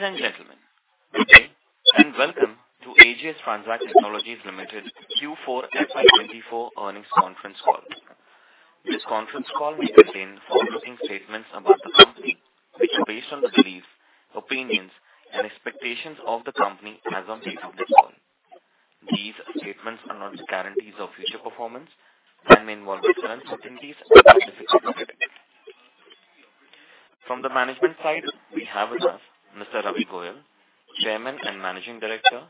Ladies and gentlemen, good day, and welcome to AGS Transact Technologies Limited Q4 FY 2024 earnings conference call. This conference call may contain forward-looking statements about the company, which are based on the beliefs, opinions, and expectations of the company as on date of this call. These statements are not guarantees of future performance and may involve certain uncertainties and risks. From the management side, we have with us Mr. Ravi Goyal, Chairman and Managing Director,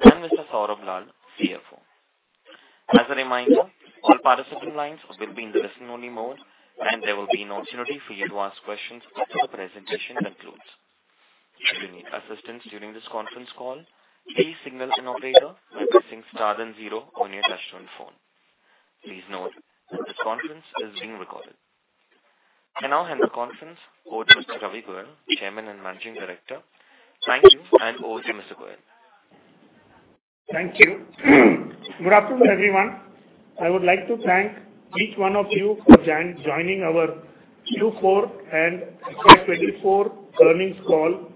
and Mr. Saurabh Lal, CFO. As a reminder, all participant lines will be in listen only mode, and there will be an opportunity for you to ask questions after the presentation concludes. If you need assistance during this conference call, please signal an operator by pressing star then zero on your touchtone phone. Please note that this conference is being recorded. I now hand the conference over to Mr. Ravi Goyal, Chairman and Managing Director. Thank you, and over to Mr. Goyal. Thank you. Good afternoon, everyone. I would like to thank each one of you for joining our Q4 and FY24 earnings call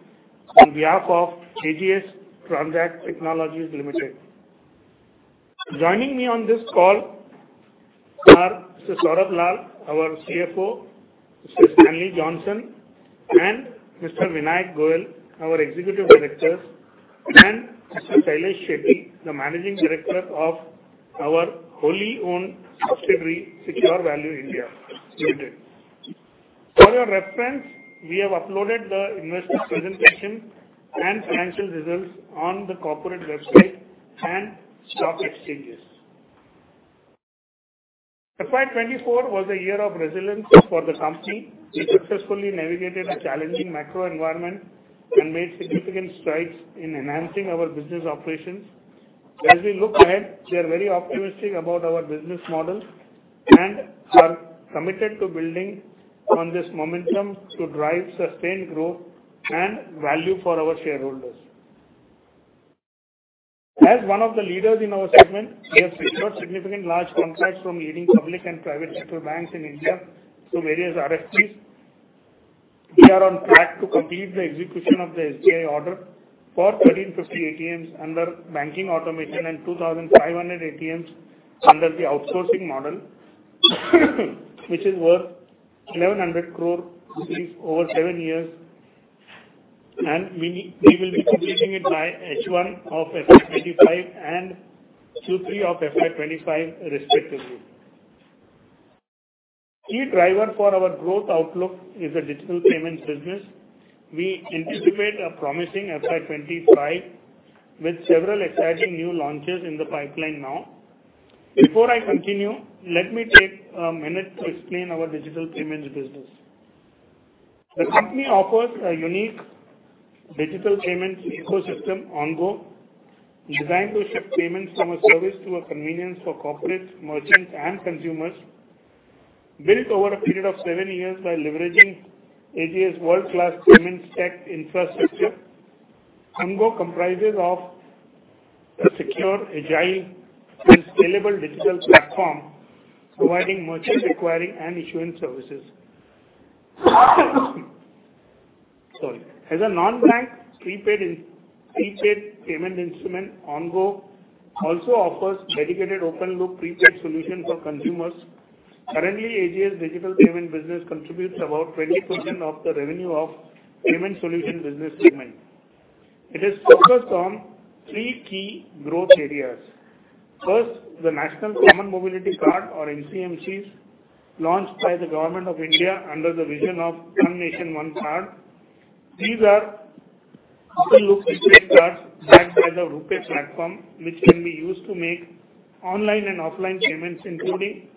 on behalf of AGS Transact Technologies Limited. Joining me on this call are Mr. Saurabh Lal, our CFO, Mr. Stanley Johnson and Mr. Vinayak Goyal, our Executive Directors, and Mr. Shailesh Shetty, the Managing Director of our wholly owned subsidiary, Securevalue India Limited. For your reference, we have uploaded the investor presentation and financial results on the corporate website and stock exchanges. FY24 was a year of resilience for the company. We successfully navigated a challenging macro environment and made significant strides in enhancing our business operations. As we look ahead, we are very optimistic about our business model and are committed to building on this momentum to drive sustained growth and value for our shareholders. As one of the leaders in our segment, we have secured significant large contracts from leading public and private sector banks in India through various RFPs. We are on track to complete the execution of the SBI order for 1,350 ATMs under banking automation and 2,500 ATMs under the outsourcing model, which is worth 1,100 crore rupees over seven years, and we will be completing it by H1 of FY 2025 and Q3 of FY 2025, respectively. Key driver for our growth outlook is the digital payments business. We anticipate a promising FY 2025, with several exciting new launches in the pipeline now. Before I continue, let me take a minute to explain our digital payments business. The company offers a unique digital payment ecosystem, Ongo, designed to shift payments from a service to a convenience for corporates, merchants, and consumers. Built over a period of seven years by leveraging AGS world-class payment tech infrastructure, Ongo comprises of a secure, agile, and scalable digital platform, providing merchant acquiring and issuance services. Sorry. As a non-bank prepaid prepaid payment instrument, Ongo also offers dedicated open loop prepaid solution for consumers. Currently, AGS digital payment business contributes about 20% of the revenue of payment solution business segment. It is focused on three key growth areas. First, the National Common Mobility Card, or NCMC, launched by the Government of India under the vision of One Nation, One Card. These are open loop prepaid cards backed by the RuPay platform, which can be used to make online and offline payments, including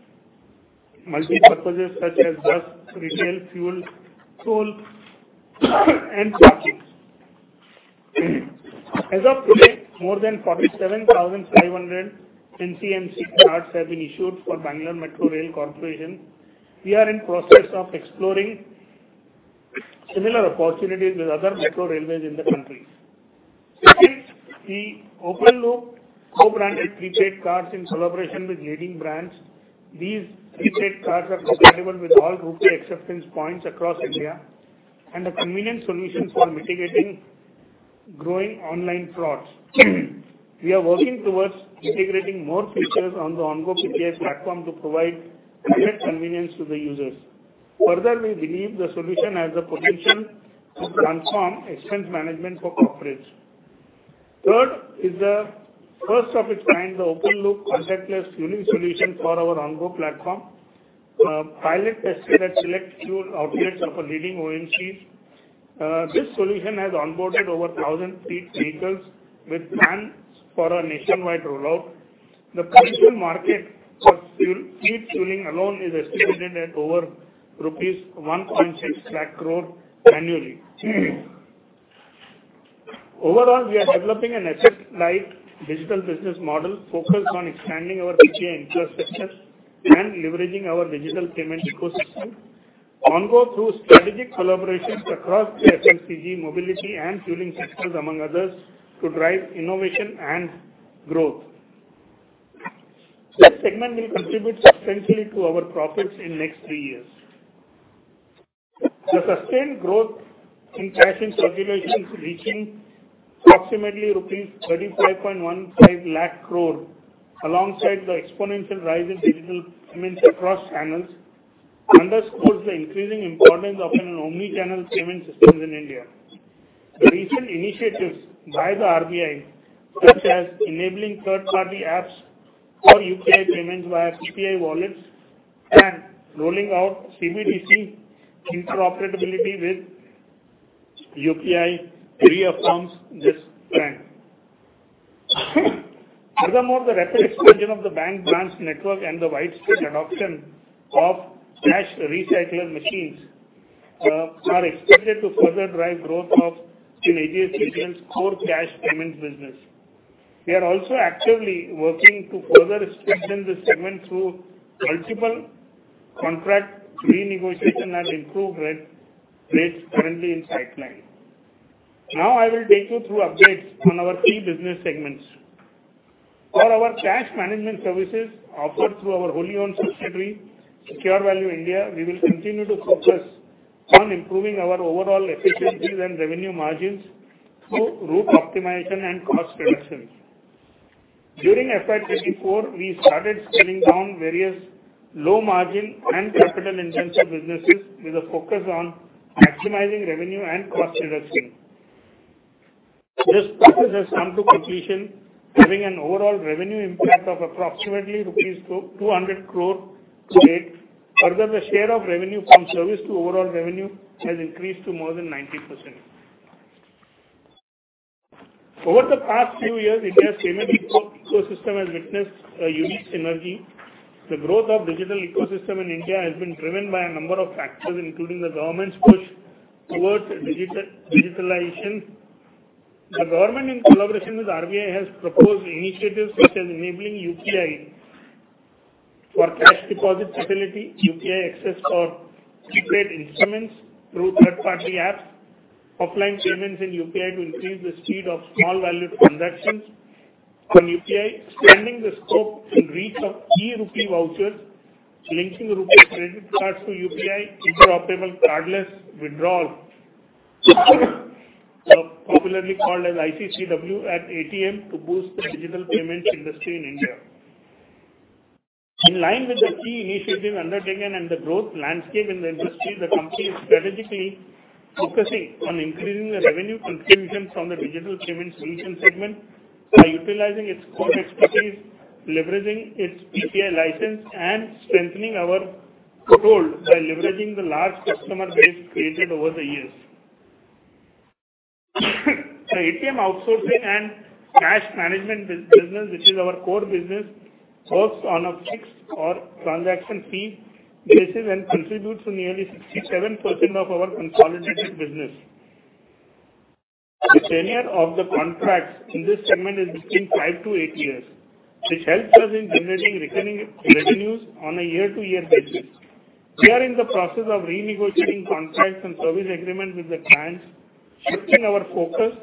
multipurpose, such as bus, retail, fuel, toll, and parking. As of today, more than 47,500 NCMC cards have been issued for Bangalore Metro Rail Corporation. We are in process of exploring similar opportunities with other metro railways in the country. Second, the open loop, co-branded prepaid cards in collaboration with leading brands. These prepaid cards are compatible with all RuPay acceptance points across India and a convenient solution for mitigating growing online frauds. We are working towards integrating more features on the Ongo PTS platform to provide greater convenience to the users. Further, we believe the solution has the potential to transform expense management for corporates. Third, is the first of its kind, the open loop contactless fueling solution for our Ongo platform, pilot tested at select fuel outlets of a leading OMC. This solution has onboarded over 1,000 fleet vehicles, with plans for a nationwide rollout. The potential market for fuel, fleet fueling alone is estimated at over rupees 160,000 crore annually. Overall, we are developing an asset-light digital business model focused on expanding our UPI infrastructure and leveraging our digital payment ecosystem. Ongo, through strategic collaborations across the FMCG, mobility, and fueling sectors, among others, to drive innovation and growth. This segment will contribute substantially to our profits in next three years. The sustained growth in cash in circulation, reaching approximately rupees 3,515,000 crore, alongside the exponential rise in digital payments across channels, underscores the increasing importance of an omni-channel payment systems in India. The recent initiatives by the RBI, such as enabling third-party apps for UPI payments via PPI wallets and rolling out CBDC interoperability with UPI, reaffirms this trend. Furthermore, the rapid expansion of the bank branch network and the widespread adoption of cash recycler machines are expected to further drive growth of in AGS Business' core cash payments business. We are also actively working to further expand this segment through multiple contract renegotiation and improved re-rates currently in pipeline. Now, I will take you through updates on our key business segments. For our cash management services offered through our wholly owned subsidiary, Securevalue India, we will continue to focus on improving our overall efficiencies and revenue margins through route optimization and cost reductions. During FY24, we started scaling down various low margin and capital-intensive businesses with a focus on maximizing revenue and cost reduction. This process has come to completion, having an overall revenue impact of approximately rupees 2,200 crore to date. Further, the share of revenue from service to overall revenue has increased to more than 90%. Over the past few years, India's payment ecosystem has witnessed a unique synergy. The growth of digital ecosystem in India has been driven by a number of factors, including the government's push towards digitalization. The government, in collaboration with RBI, has proposed initiatives such as enabling UPI for cash deposit facility, UPI access for prepaid instruments through third-party apps, offline payments in UPI to increase the speed of small value transactions on UPI, expanding the scope and reach of e-RUPI vouchers, linking rupee credit cards to UPI, interoperable cardless withdrawal, popularly called as ICCW at ATM to boost the digital payments industry in India. In line with the key initiatives undertaken and the growth landscape in the industry, the company is strategically focusing on increasing the revenue contribution from the digital payment solution segment by utilizing its core expertise, leveraging its PPI license, and strengthening our control by leveraging the large customer base created over the years. The ATM outsourcing and cash management business, which is our core business, works on a fixed or transaction fee basis and contributes to nearly 67% of our consolidated business. The tenure of the contracts in this segment is between 5-8 years, which helps us in generating recurring revenues on a year-to-year basis. We are in the process of renegotiating contracts and service agreements with the clients, shifting our focus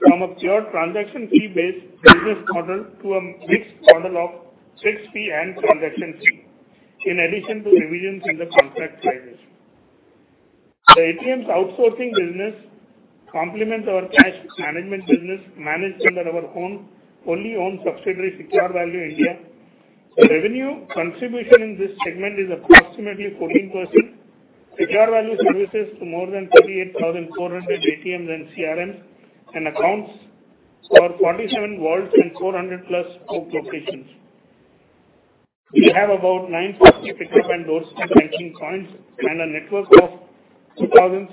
from a pure transaction fee-based business model to a mixed model of fixed fee and transaction fee, in addition to revisions in the contract prices. The ATMs outsourcing business complements our cash management business, managed under our own, wholly owned subsidiary, Securevalue India. The revenue contribution in this segment is approximately 14%. Securevalue services to more than 38,400 ATMs and CRMs, and accounts for 47 vaults and 400+ COCO locations. We have about 9,000 pickup and doorstep banking points, and a network of 2,300+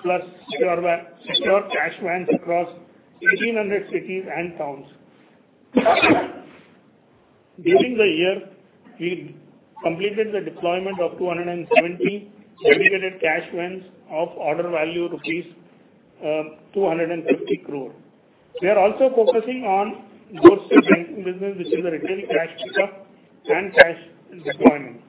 Securevalue cash vans across 1,800 cities and towns. During the year, we completed the deployment of 270 dedicated cash vans of order value rupees 250 crore. We are also focusing on doorstep banking business, which is a retail cash pickup and cash deployment.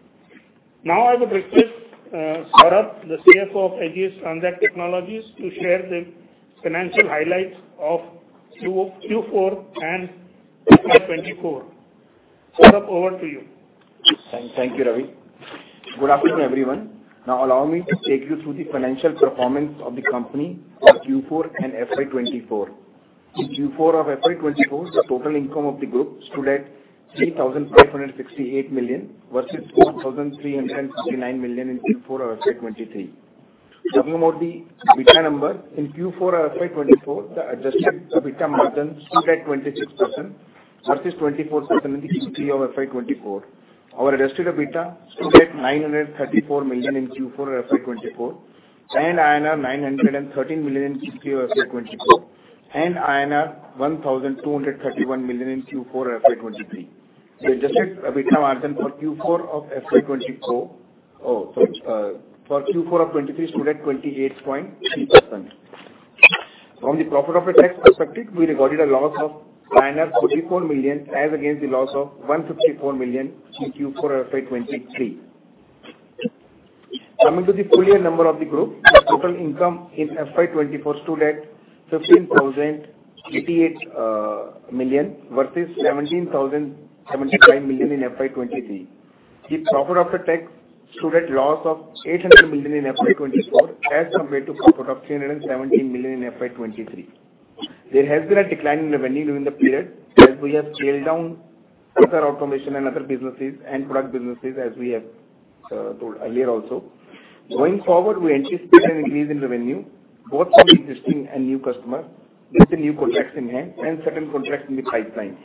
Now, I would request Saurabh, the CFO of AGS Transact Technologies, to share the financial highlights of Q4 and FY 2024. Saurabh, over to you. Thank you, Ravi. Good afternoon, everyone. Now, allow me to take you through the financial performance of the company for Q4 and FY 2024. In Q4 of FY 2024, the total income of the group stood at INR 3,568 million, versus INR 4,369 million in Q4 of FY 2023. Talking about the EBITDA number, in Q4 of FY 2024, the adjusted EBITDA margin stood at 26%, versus 24% in the Q3 of FY 2024. Our adjusted EBITDA stood at 934 million in Q4 of FY 2024, and INR 913 million in Q3 of FY 2024, and INR 1,231 million in Q4 of FY 2023. The adjusted EBITDA margin for Q4 of FY 2024, oh, sorry, for Q4 of 2023 stood at 28.3%. From a profit after tax perspective, we recorded a loss of 34 million, as against the loss of 154 million in Q4 of FY 2023. Coming to the full year number of the group, the total income in FY 2024 stood at 15,088 million, versus 17,075 million in FY 2023. The profit after tax showed a loss of 800 million in FY 2024, as compared to profit of 317 million in FY 2023. There has been a decline in revenue in the period, as we have scaled down other automation and other businesses and product businesses, as we have told earlier also. Going forward, we anticipate an increase in revenue, both from existing and new customers, with the new contracts in hand and certain contracts in the pipeline.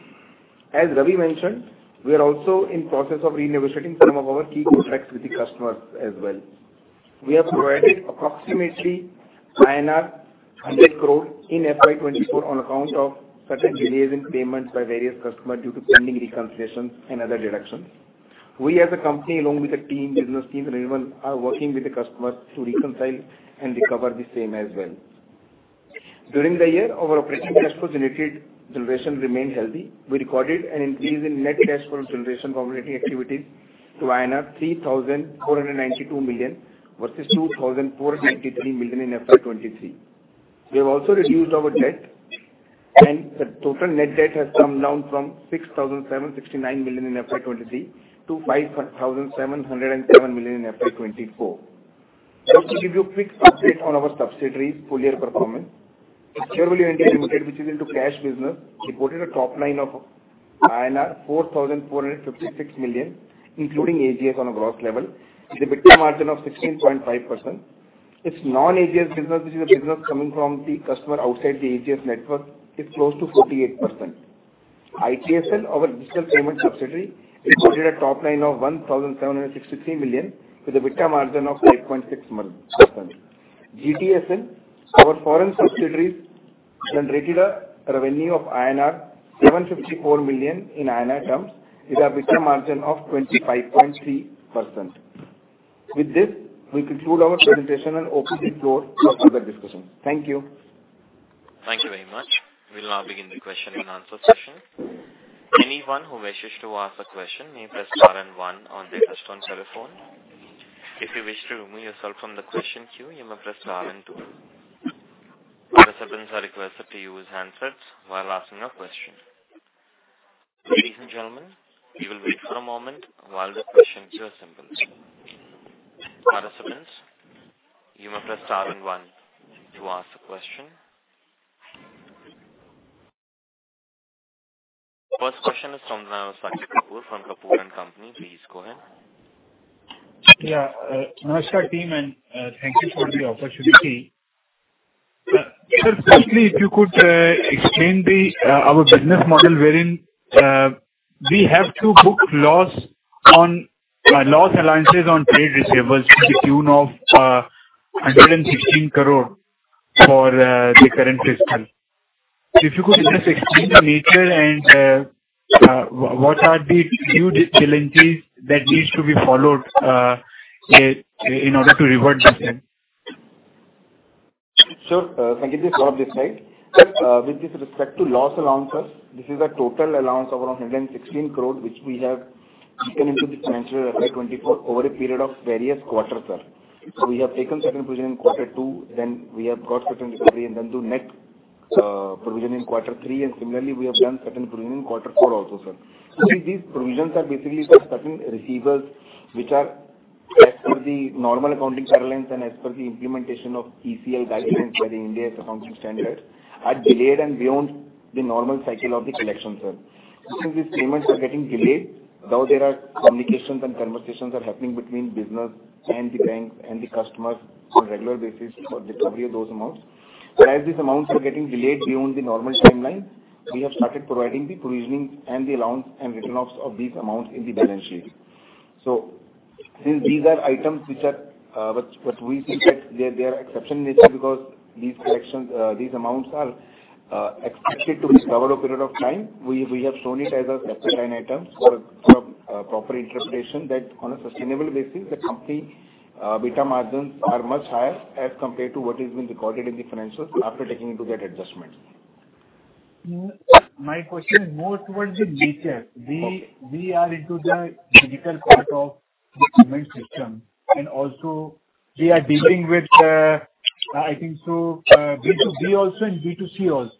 As Ravi mentioned, we are also in process of renegotiating some of our key contracts with the customers as well. We have provided approximately INR 100 crore in FY 2024 on account of certain delays in payments by various customers due to pending reconciliations and other deductions. We as a company, along with the team, business team and everyone, are working with the customers to reconcile and recover the same as well. During the year, our operational cash flow generation remained healthy. We recorded an increase in net cash flow generation from operating activities to INR 3,492 million versus 2,493 million in FY 2023. We have also reduced our debt, and the total net debt has come down from 6,769 million in FY 2023 to 5,707 million in FY 2024. Just to give you a quick update on our subsidiaries' full year performance. Securevalue India Limited, which is into cash business, reported a top line of INR 4,456 million, including AGS on a gross level, with an EBITDA margin of 16.5%. Its non-AGS business, which is a business coming from the customer outside the AGS network, is close to 48%. ITSL, our digital payment subsidiary, recorded a top line of 1,763 million, with an EBITDA margin of 8.6%. GTSL, our foreign subsidiary, generated a revenue of 754 million INR in INR terms, with an EBITDA margin of 25.3%. With this, we conclude our presentation and open the floor for further discussion. Thank you. Thank you very much. We'll now begin the question and answer session. Anyone who wishes to ask a question may press star and one on their touchtone telephone. If you wish to remove yourself from the question queue, you may press star and two. Participants are requested to use handsets while asking a question. Ladies and gentlemen, we will wait for a moment while the questions are assembled. Participants, you may press star and one to ask a question. First question is from Sanjay Kapoor, from Kapoor and Company. Please go ahead. Yeah. Namaste, team, and thank you for the opportunity. Sir, firstly, if you could explain our business model, wherein we have to book loss on loss allowances on trade receivables to the tune of 116 crore for the current fiscal. If you could just explain the nature and what are the few challenges that needs to be followed in order to revert the same? Sure. Thank you for this slide. With respect to loss allowances, this is a total allowance of around 116 crore, which we have taken into the financials FY 2024 over a period of various quarters, sir. So we have taken certain provision in quarter two, then we have got certain recovery, and then to net provision in quarter three, and similarly, we have done certain provision in quarter four also, sir. So these provisions are basically for certain receivables, which are as per the normal accounting guidelines and as per the implementation of ECL guidelines by the Indian Accounting Standards, are delayed and beyond the normal cycle of the collection, sir. Since these payments are getting delayed, though there are communications and conversations are happening between business and the banks and the customers on a regular basis for recovery of those amounts. But as these amounts are getting delayed beyond the normal timeline, we have started providing the provisioning and the allowance and write-offs of these amounts in the balance sheet. So since these are items which we think that they are exceptional nature, because these collections, these amounts are expected to recover over a period of time. We have shown it as a separate line item for proper interpretation, that on a sustainable basis, the company EBITDA margins are much higher as compared to what has been recorded in the financials after taking into that adjustment. My question is more towards the nature. We are into the digital part of the payment system, and also we are dealing with, I think so, B2B also and B2C also,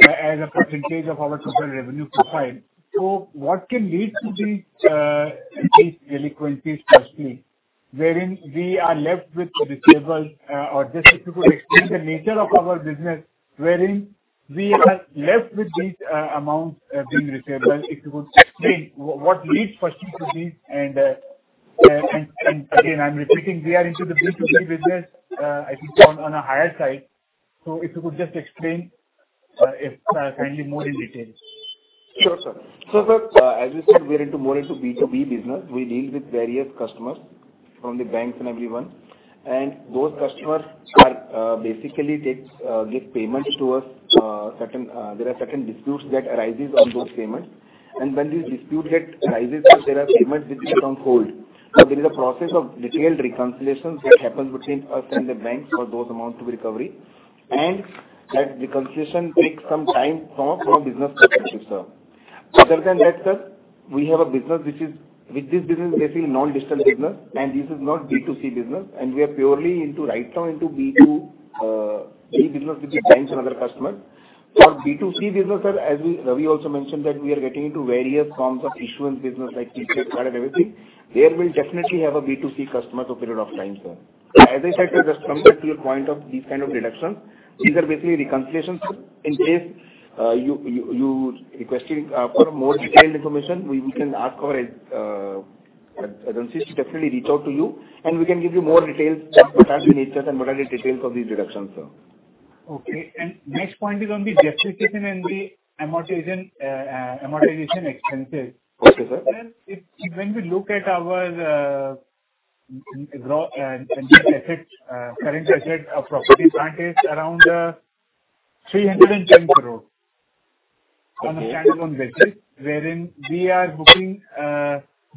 as a percentage of our total revenue profile. So what can lead to the these delinquencies firstly, wherein we are left with receivables, or just if you could explain the nature of our business, wherein we are left with these amounts being receivable. If you could explain what leads firstly to this and, and again, I'm repeating, we are into the B2B business, I think on a higher side. So if you could just explain, if kindly more in detail. Sure, sir. So, sir, as you said, we are into more into B2B business. We deal with various customers, from the banks and everyone, and those customers are, basically takes, give payments to us. Certain, there are certain disputes that arises on those payments, and when these dispute get arises, so there are payments which are on hold. So there is a process of detailed reconciliations that happens between us and the banks for those amounts to be recovery, and that reconciliation takes some time from, from business perspective, sir. Other than that, sir, we have a business which is, with this business, basically, non-distance business, and this is not B2C business, and we are purely into, right now, into B2B business with the banks and other customers. For B2C business, sir, as we, Ravi also mentioned that we are getting into various forms of issuance business, like prepaid card and everything. There we'll definitely have a B2C customer for a period of time, sir. As I said, sir, just coming to your point of these kind of reductions, these are basically reconciliations, sir. In case you requesting for a more detailed information, we can ask our I don't see definitely reach out to you, and we can give you more details, sir, what are the nature and what are the details of these reductions, sir. Okay, and next point is on the depreciation and the amortization expenses. Okay, sir. When we look at our growth and capex effect, current asset of property plant is around 310 crore. Okay. On a standalone basis, wherein we are booking,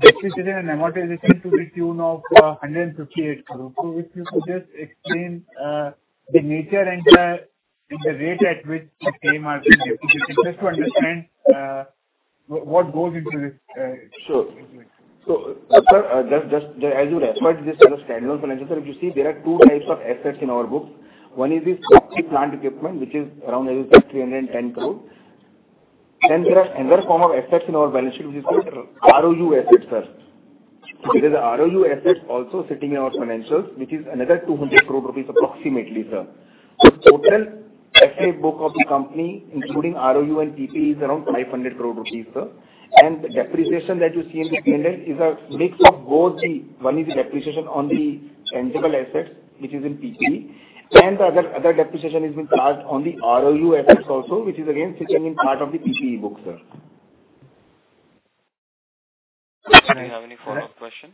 depreciation and amortization to the tune of 158 crore. So if you could just explain the nature and the rate at which the same are being depreciated, just to understand what goes into this? Sure. So, sir, just as you referred to this as a standalone financial, if you see, there are two types of assets in our books. One is this property plant equipment, which is around 310 crore. Then there are another form of assets in our balance sheet, which is called ROU assets, sir. There is a ROU asset also sitting in our financials, which is another 200 crore rupees approximately, sir. So total FA book of the company, including ROU and PPE, is around 500 crore rupees, sir. And the depreciation that you see in the P&L is a mix of both the, one is the depreciation on the tangible assets, which is in PPE, and the other depreciation has been charged on the ROU assets also, which is again sitting in part of the PPE book, sir. Do you have any follow-up question?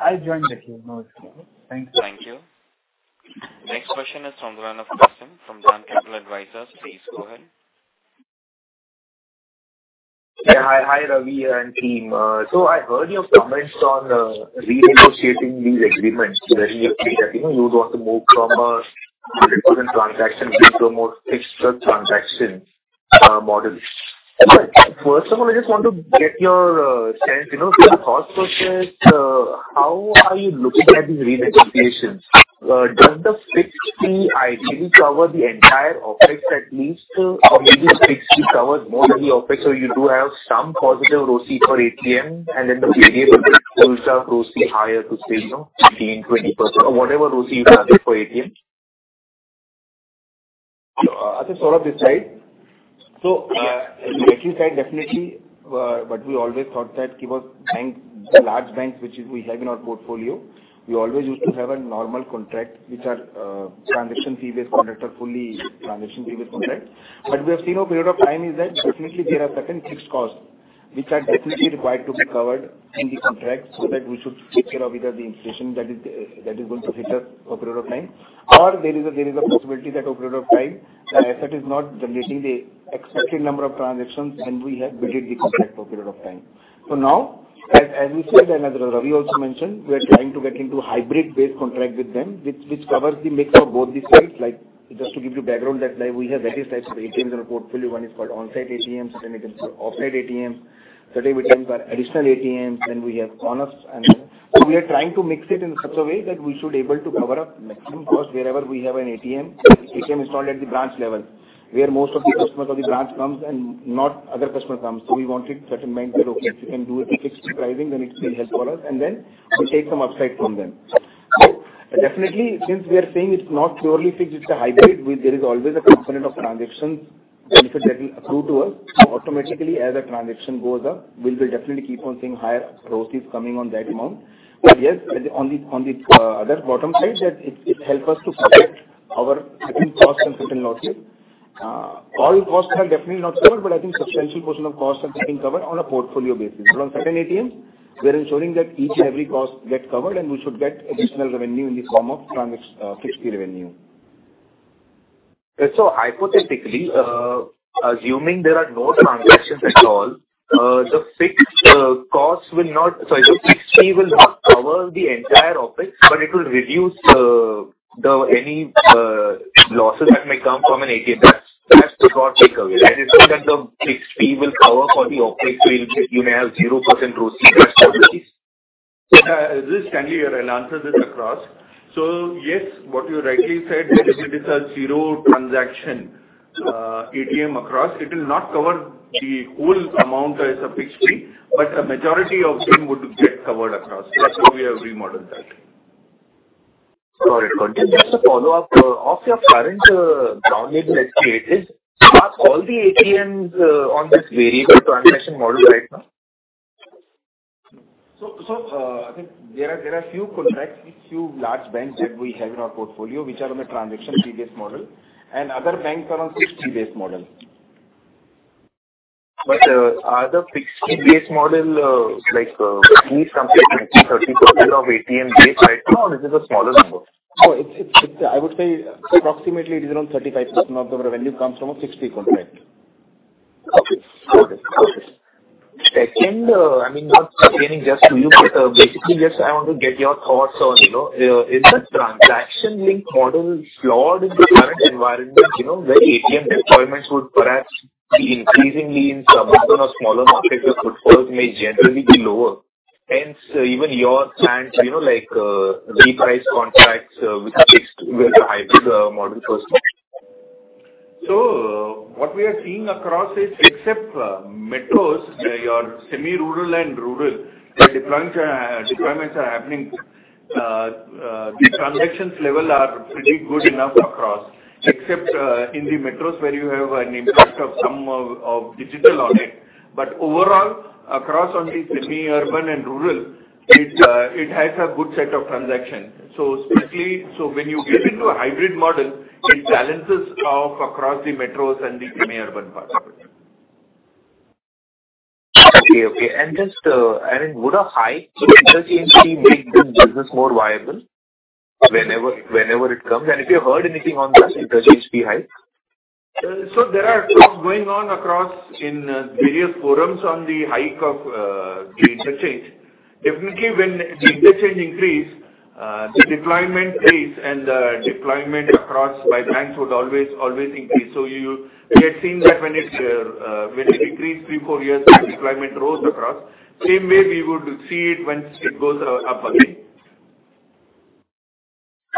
I joined the queue. No, it's okay. Thank you. Thank you. Next question is from Ronak from Jain Capital. Please go ahead. Hi, hi, Ravi and team. So I heard your comments on renegotiating these agreements where you say that, you know, you would want to move from a transaction fee to a more fixed transaction model. First of all, I just want to get your sense, you know, your thought process. How are you looking at these renegotiations? Does the fixed fee ideally cover the entire OpEx, at least, or maybe the fixed fee covers more than the OpEx, so you do have some positive ROC for ATM, and then the variable pulls up ROC higher to say, you know, 15%-20% or whatever ROC is added for ATM? I think sort of this side. So, making side, definitely, but we always thought that give us banks, the large banks, which is we have in our portfolio. We always used to have a normal contract, which are, transaction fee-based contract or fully transaction fee-based contract. But we have seen over a period of time is that definitely there are certain fixed costs, which are definitely required to be covered in the contract, so that we should take care of either the inflation that is, that is going to hit us for a period of time, or there is a, there is a possibility that over a period of time, the asset is not generating the expected number of transactions, and we have built the contract for a period of time. So now, as, as we said, and as Ravi also mentioned, we are trying to get into hybrid-based contract with them, which, which covers the mix of both these sides. Like, just to give you background, that day we have various types of ATMs in our portfolio. One is called on-site ATMs, and then we have off-site ATMs. Today, we have additional ATMs, and we have owners. And so we are trying to mix it in such a way that we should able to cover up maximum cost wherever we have an ATM, ATM installed at the branch level, where most of the customers of the branch comes and not other customer comes. So we wanted certain bank, okay, if you can do it with fixed pricing, then it will help for us, and then we take some upside from them. So definitely, since we are saying it's not purely fixed, it's a hybrid, we there is always a component of transactions benefit that will accrue to us. Automatically, as the transaction goes up, we will definitely keep on seeing higher ROCs coming on that amount. But yes, on the other bottom side, that it helps us to protect our certain costs and certain losses. All costs are definitely not covered, but I think substantial portion of costs are being covered on a portfolio basis. But on certain ATMs, we are ensuring that each and every cost gets covered, and we should get additional revenue in the form of transac- fixed fee revenue. So hypothetically, assuming there are no transactions at all, the fixed costs will not... Sorry, the fixed fee will not cover the entire OpEx, but it will reduce any losses that may come from an ATM. That's the core takeaway. I understand the fixed fee will cover for the OpEx, so you may have 0% ROC, correct? This, kindly, I'll answer this across. So yes, what you rightly said, if it is a zero transaction ATM across, it will not cover the whole amount as a fixed fee, but a majority of them would get covered across. That's how we have remodeled that. Sorry, just, just a follow-up. Of your current owned ATMs, are all the ATMs on this variable transaction model right now? I think there are few contracts with few large banks that we have in our portfolio, which are on a transaction fee-based model, and other banks are on fixed fee-based model. But, are the fixed fee-based model, like, at least something like 30% of ATM base right now, or is it a smaller number? So it's, I would say approximately it is around 35% of the revenue comes from a fixed fee contract. Okay. Got it. Second, I mean, not pertaining just to you, but, basically, just I want to get your thoughts on, you know, is the transaction link model flawed in the current environment? You know, where ATM deployments would perhaps be increasingly in suburban or smaller markets, where footfalls may generally be lower. Hence, even your plans, you know, like, reprice contracts with a fixed versus a hybrid, model perspective. So what we are seeing across is except metros, your semi-rural and rural, the deployments are happening. The transactions level are pretty good enough across, except in the metros, where you have an impact of some of digital on it. But overall, across on the semi-urban and rural, it has a good set of transactions. So strictly, so when you get into a hybrid model, it balances off across the metros and the semi-urban parts. Okay, okay. And just, I mean, would a hike in interchange fee make the business more viable whenever, whenever it comes? And if you've heard anything on this, interchange fee hike? So there are talks going on across in various forums on the hike of the interchange. Definitely, when the interchange increase, the deployment increase and the deployment across by banks would always, always increase. So, we have seen that when it decreased 3-4 years back, deployment rose across. Same way, we would see it once it goes up again.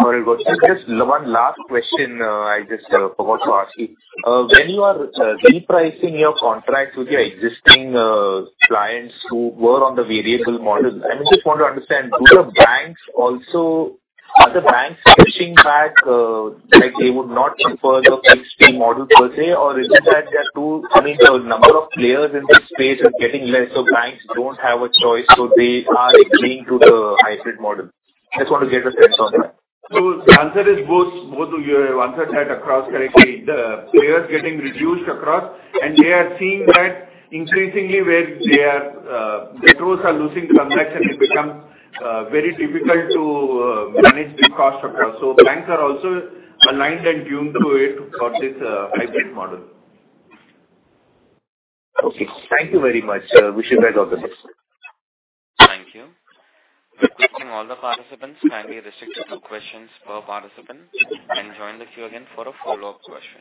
All right, got you. Just one last question, I just forgot to ask you. When you are, repricing your contract with your existing, clients who were on the variable model, I just want to understand, do the banks also... Are the banks pushing back, like, they would not prefer the fixed fee model per se? Or is it that they are too, I mean, the number of players in this space are getting less, so banks don't have a choice, so they are agreeing to the hybrid model? Just want to get a sense on that. So the answer is both. Both you answered that across correctly. The players getting reduced across, and they are seeing that increasingly where they are, metros are losing transaction, it becomes very difficult to manage the cost across. So banks are also aligned and tuned to it towards this hybrid model. Okay, thank you very much, sir. Wish you guys all the best. Thank you. Requesting all the participants kindly restrict to two questions per participant and join the queue again for a follow-up question.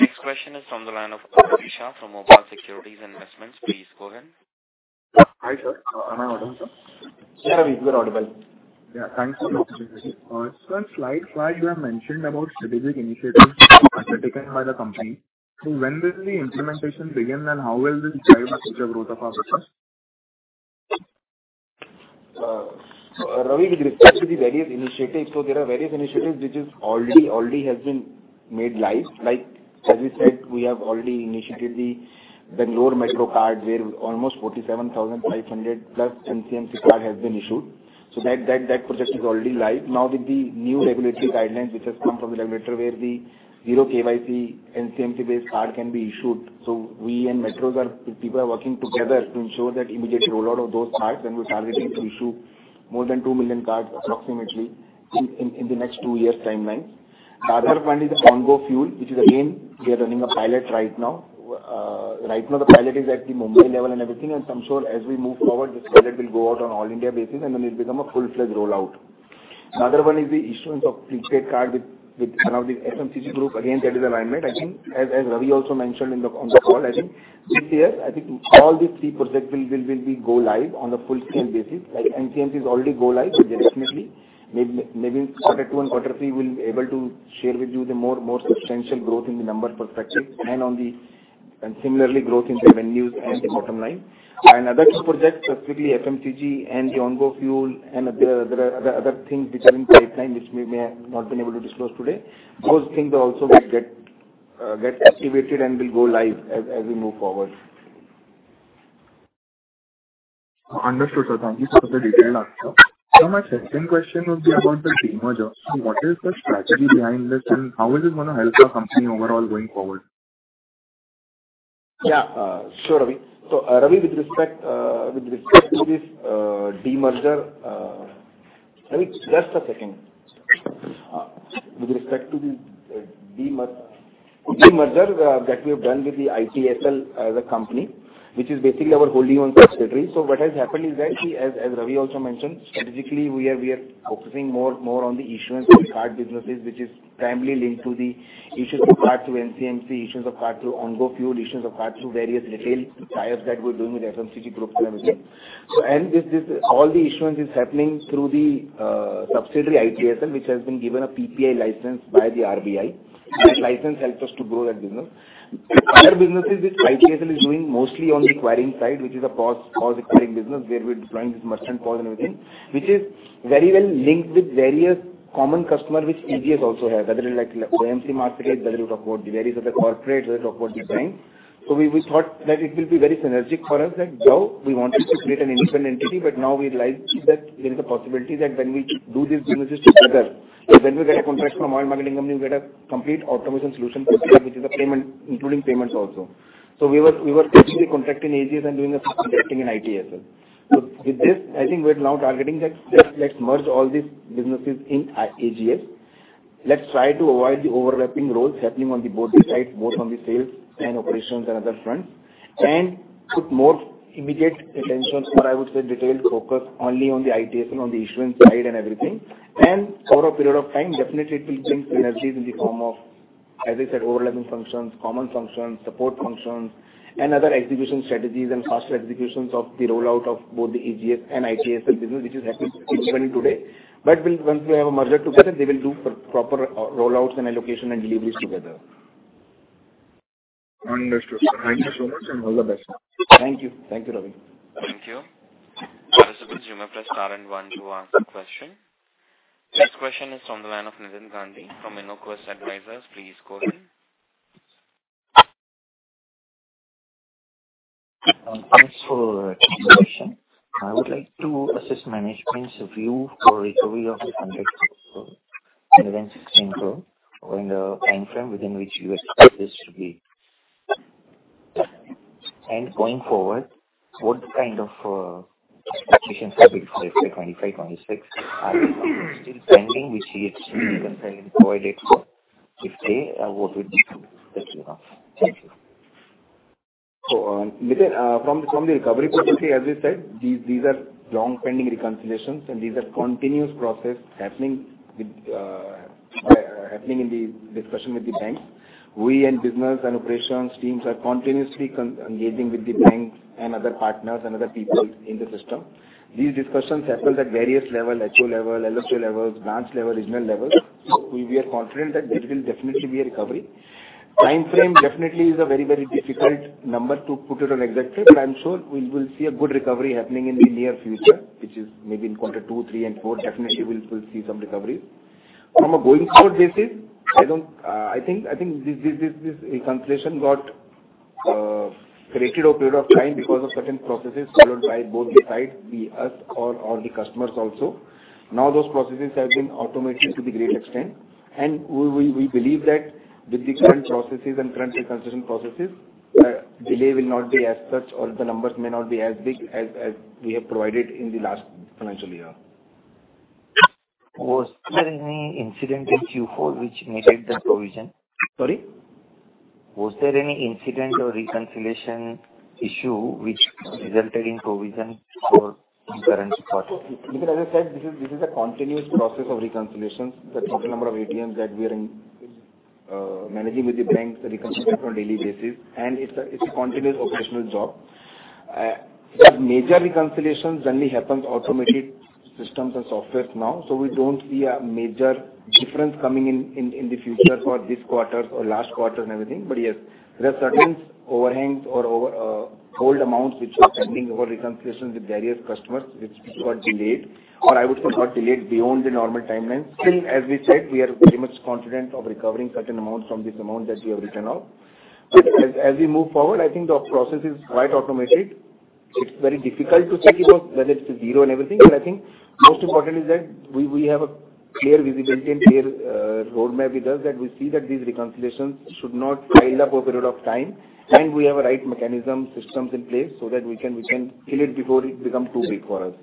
Next question is from the line of Ravi Shah from Opal Securities Investments. Please go ahead. Hi, sir. Am I audible, sir? Yeah, you are audible. Yeah, thanks for the opportunity. So on slide five, you have mentioned about strategic initiatives by the company. So when will the implementation begin, and how will this drive the future growth of our business? Ravi, with respect to the various initiatives, so there are various initiatives which is already, already has been made live. Like, as we said, we have already initiated the Bangalore Metro card, where almost 47,500+ NCMC cards have been issued. So that, that, that project is already live. Now, with the new regulatory guidelines, which has come from the regulator, where the zero KYC NCMC-based card can be issued. So we and metros are, people are working together to ensure that immediate rollout of those cards, and we're targeting to issue more than 2 million cards, approximately, in, in, in the next two years timeline. The other one is the Ongo fuel, which is again, we are running a pilot right now. Right now, the pilot is at the Mumbai level and everything, and I'm sure as we move forward, this pilot will go out on all India basis, and then it'll become a full-fledged rollout. Another one is the issuance of prepaid card with one of the FMCG group. Again, that is alignment. I think as Ravi also mentioned in the on the call, I think this year, I think all these three projects will go live on a full-scale basis. Like, NCMC has already go live. So definitely, maybe quarter two and quarter three, we'll be able to share with you the more substantial growth in the numbers perspective and on the... And similarly, growth in the revenues and the bottom line. Other two projects, specifically FMCG and the Ongo fuel, and there are, there are other things which are in pipeline, which we may have not been able to disclose today. Those things also will get, get activated and will go live as, as we move forward. Understood, sir. Thank you so much for the detailed answer. My second question would be about the demerger. What is the strategy behind this, and how is this going to help our company overall going forward? Yeah, sure, Ravi. So, Ravi, with respect to this demerger, Ravi, just a second. With respect to the demerger that we have done with the ITSL as a company, which is basically our wholly-owned subsidiary. So what has happened is that, see, as Ravi also mentioned, strategically, we are focusing more on the issuance of card businesses, which is primarily linked to the issuance of card through NCMC, issuance of card through Ongo fuel, issuance of card through various retail trials that we're doing with FMCG groups and everything. So and this all the issuance is happening through the subsidiary, ITSL, which has been given a PPI license by the RBI. That license helps us to grow that business. Other businesses which ITSL is doing mostly on the acquiring side, which is a POS acquiring business, where we're deploying this merchant POS and everything, which is very well linked with various common customers, which AGS also has, whether like FMCG market, whether you talk about the various other corporate, whether you talk about the prime. So we thought that it will be very synergistic for us, like, though we wanted to create an independent entity, but now we realize that there is a possibility that when we do these businesses together, so when we get a contract from oil marketing company, we get a complete automation solution for them, which is a payment, including payments also. So we were basically contracting AGS and doing the contracting in ITSL. So with this, I think we're now targeting that, let's merge all these businesses in AGS. Let's try to avoid the overlapping roles happening on the both sides, both on the sales and operations and other fronts, and put more immediate attention or I would say detailed focus only on the ITSL on the issuance side and everything. And over a period of time, definitely it will bring synergies in the form of, as I said, overlapping functions, common functions, support functions, and other execution strategies and faster executions of the rollout of both the AGS and ITSL business, which is happening even today. But once we have a merger together, they will do proper rollouts and allocation and deliveries together. Understood, sir. Thank you so much, and all the best. Thank you. Thank you, Ravi. Thank you. Participant, you may press star and one to ask a question. Next question is from the line of Nitin Gandhi from InvesQ Investment Advisors. Please go ahead. Thanks for the presentation. I would like to assess management's view for recovery of the contract for INR 11.16 crore, or in the time frame within which you expect this to be? And going forward, what kind of expectations for fiscal 2025, 2026 are still pending, which we expect and provided for? If they, what would you do? Thank you. So, Nitin, from the recovery policy, as I said, these are long-pending reconciliations, and these are continuous process happening with, happening in the discussion with the banks. We and business and operations teams are continuously engaging with the banks and other partners and other people in the system. These discussions happen at various level, HO level, LSO levels, branch level, regional level. So we are confident that there will definitely be a recovery. Time frame definitely is a very, very difficult number to put it on exactly, but I'm sure we will see a good recovery happening in the near future, which is maybe in quarter two, three, and four. Definitely, we'll see some recovery. From a going forward basis, I don't... I think this reconciliation got corrected over a period of time because of certain processes followed by both the sides, us or the customers also. Now, those processes have been automated to a great extent, and we believe that with the current processes and current reconciliation processes, delay will not be as such or the numbers may not be as big as we have provided in the last financial year. Was there any incident in Q4 which made the provision? Sorry? Was there any incident or reconciliation issue which resulted in provision for current quarter? Nitin, as I said, this is, this is a continuous process of reconciliations. The number of ATMs that we are in, managing with the banks, reconciling on a daily basis, and it's a, it's a continuous operational job. But major reconciliations generally happens automated systems and softwares now, so we don't see a major difference coming in, in, in the future for this quarter or last quarter and everything. But yes, there are certain overhangs or over, hold amounts which are pending over reconciliations with various customers, which got delayed, or I would say got delayed beyond the normal timelines. Still, as we said, we are very much confident of recovering certain amounts from this amount that we have written off. But as, as we move forward, I think the process is quite automated. It's very difficult to check it out, whether it's zero and everything, but I think most important is that we, we have a clear visibility and clear roadmap with us, that we see that these reconciliations should not pile up over a period of time. And we have a right mechanism, systems in place, so that we can, we can kill it before it become too big for us.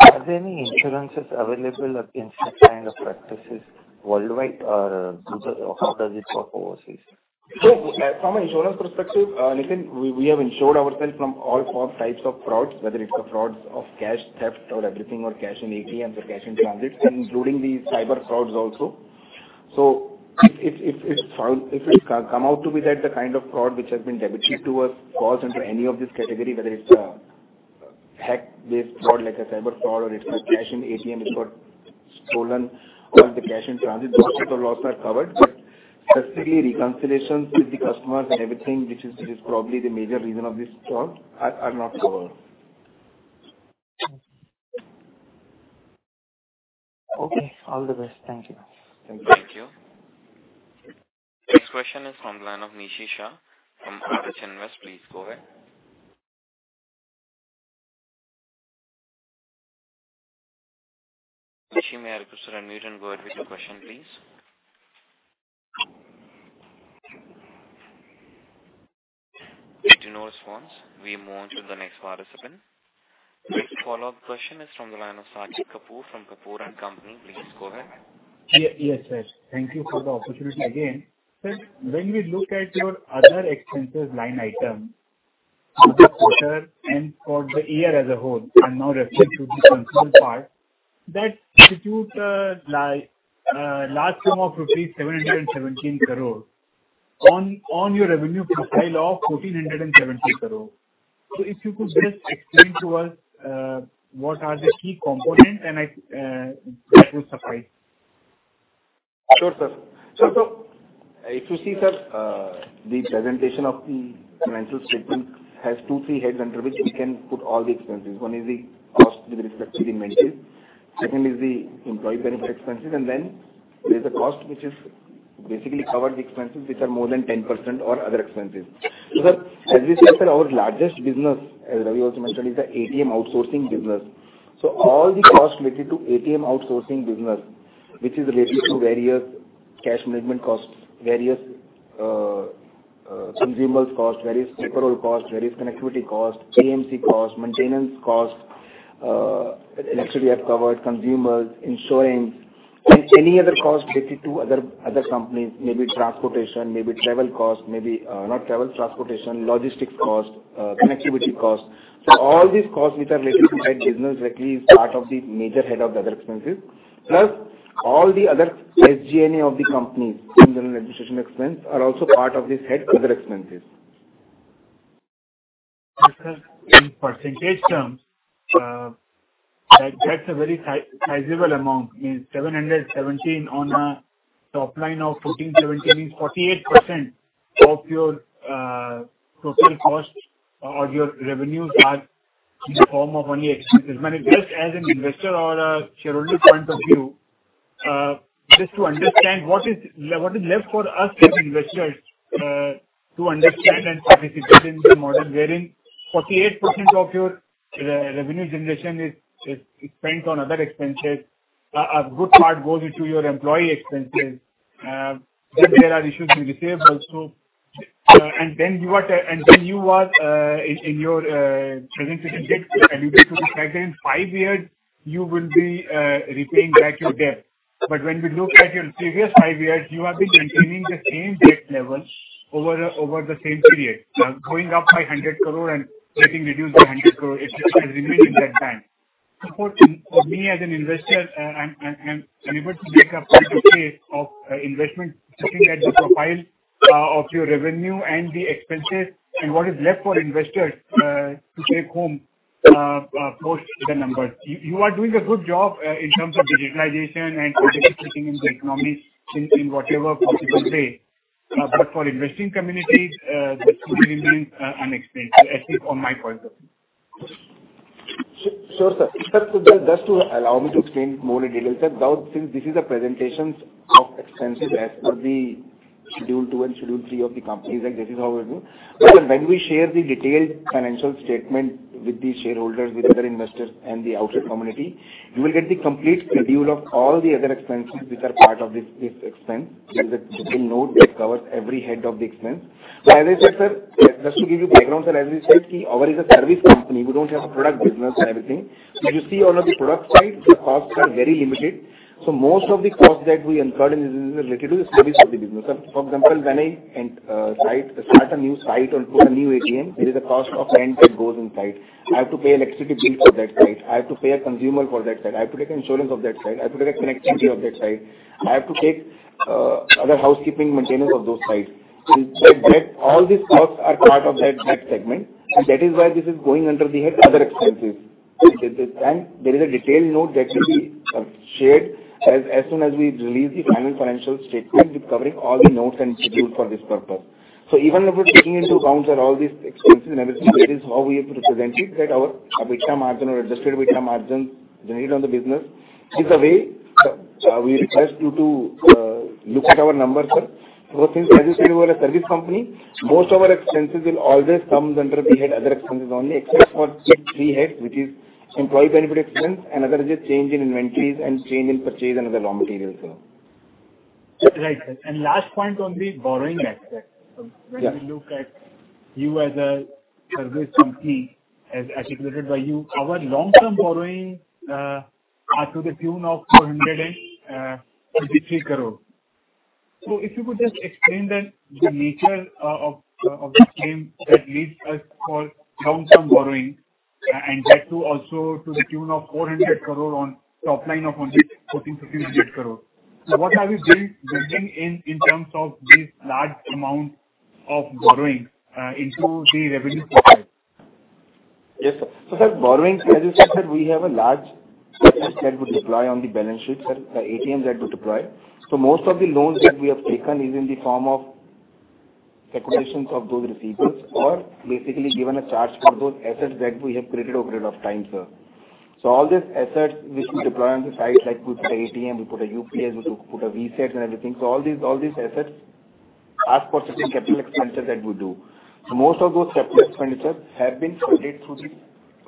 Are there any insurances available against such kind of practices worldwide, or how does it work overseas? So from an insurance perspective, Nitin, we have insured ourselves from all four types of frauds, whether it's frauds of cash, theft or everything, or cash in ATMs or cash in transit, including these cyber frauds also. So if it comes out to be that the kind of fraud which has been debited to us falls into any of this category, whether it's a hack-based fraud, like a cyber fraud or it's a cash in ATM, it got stolen or the cash in transit, those types of losses are covered. But specifically, reconciliations with the customers and everything, which is probably the major reason of this fraud, are not covered. Okay, all the best. Thank you. Thank you. Thank you. Next question is from the line of Nishi Shah from RH Invest. Please go ahead. Nishi, may I request you to unmute and go ahead with your question, please? Wait, no response. We move on to the next participant. Follow-up question is from the line of Sachin Kapoor, from Kapoor and Company. Please go ahead. Yes, sir. Thank you for the opportunity again. Sir, when we look at your other expenses line item for the quarter and for the year as a whole, I'm now referring to the consumer part, that constitute a large sum of rupees, 717 crore on your revenue profile of 1,417 crore. So if you could just explain to us, what are the key components, and I, that would suffice. Sure, sir. So if you see, sir, the presentation of the financial statement has two, three heads under which we can put all the expenses. One is the cost with respect to the maintenance. Second is the employee benefit expenses, and then there's a cost which is basically cover the expenses which are more than 10% or other expenses. So, sir, as we said, that our largest business, as Ravi also mentioned, is the ATM outsourcing business. So all the costs related to ATM outsourcing business, which is related to various cash management costs, various consumer cost, various payroll cost, various connectivity cost, AMC cost, maintenance cost, actually I've covered consumers, ensuring any other costs related to other, other companies, maybe transportation, maybe travel costs, maybe not travel, transportation, logistics costs, connectivity costs. So all these costs which are related to my business, actually, is part of the major head of the other expenses. Plus, all the other SG&A of the company, general administration expense, are also part of this head, other expenses. In percentage terms, that's a very sizable amount, means 717 on a top line of 1,470 means 48% of your total costs or your revenues are in the form of only expenses. Just as an investor or a shareholder point of view, just to understand what is left for us as investors to understand and participate in the model, wherein 48% of your revenue generation is spent on other expenses. A good part goes into your employee expenses, then there are issues with receivable also. And then you are in your presentation deck, and you get to the second five years, you will be repaying back your debt. But when we look at your previous five years, you have been maintaining the same debt level over, over the same period. Now, going up by 100 crore and getting reduced by 100 crore, it just has remained in that time. For me as an investor, I'm unable to make a point of case of investment, looking at the profile of your revenue and the expenses and what is left for investors to take home post the numbers. You are doing a good job in terms of digitalization and participating in the economy in whatever possible way. But for investing community, this could remain unexplained, at least from my point of view. Sure, sir. Sir, just to allow me to explain more in detail, sir, now, since this is a presentations of expenses as per the schedule two and schedule three of the company, like, this is how we do. When we share the detailed financial statement with the shareholders, with other investors and the outside community, you will get the complete schedule of all the other expenses which are part of this, this expense. There is a simple note that covers every head of the expense. So as I said, sir, just to give you background, sir, as I said, ours is a service company. We don't have a product business and everything. So you see on the product side, the costs are very limited. So most of the costs that we incurred in this is related to the service of the business. So for example, when I end site start a new site or put a new ATM, there is a cost of rent that goes inside. I have to pay electricity bill for that site. I have to pay a custodian for that site. I have to take insurance of that site. I have to take connectivity of that site. I have to take other housekeeping maintenance of those sites. So that all these costs are part of that segment, and that is why this is going under the head other expenses. At this time, there is a detailed note that will be shared as soon as we release the final financial statement with covering all the notes and schedules for this purpose. So even if we're taking into account all these expenses and everything, that is how we have to present it, that our EBITDA margin or adjusted EBITDA margin generated on the business is the way we request you to look at our numbers, sir. So since, as you said, we're a service company, most of our expenses will always come under the head, other expenses only, except for three heads, which is employee benefit expense, another is a change in inventories, and change in purchase and other raw materials, sir. Right. Last point on the borrowing aspect. Yeah. If you look at you as a service company, as articulated by you, our long-term borrowing are to the tune of 453 crore. So if you could just explain then the nature of the same that leads us for long-term borrowing, and that too, also to the tune of 400 crore on top line of only 14 crore-15 crore. So what have you been building in terms of this large amount of borrowing into the revenue profile? Yes, sir. So, sir, borrowings, as you said, sir, we have a large asset that we deploy on the balance sheet, sir, the ATMs that we deploy. So most of the loans that we have taken is in the form of accumulations of those receivables, or basically given a charge for those assets that we have created over a period of time, sir. So all these assets which we deploy on the site, like put an ATM, we put a UPS, we put a VSAT and everything. So all these, all these assets, as per the capital expenditure that we do. Most of those capital expenditure have been funded through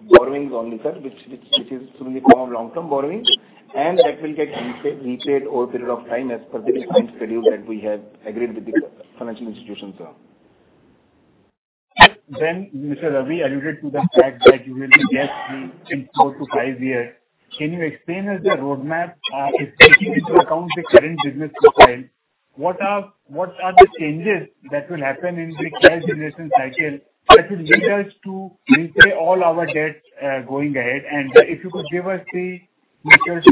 the borrowings only, sir, which is in the form of long-term borrowings, and that will get repaid over a period of time as per the time schedule that we have agreed with the financial institutions, sir. Then, Mr. Ravi alluded to the fact that you will be, yes, in 4-5 years. Can you explain us the roadmap, taking into account the current business profile? What are the changes that will happen in the cash generation cycle that will lead us to repay all our debts, going ahead? And if you could give us the